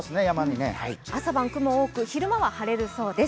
朝晩雲が多く昼間は晴れるそうです。